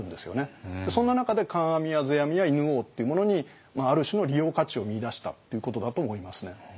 そんな中で観阿弥や世阿弥や犬王っていうものにある種の利用価値を見いだしたっていうことだと思いますね。